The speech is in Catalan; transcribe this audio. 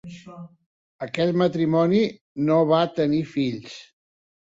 Aquest matrimoni no va tenir fills.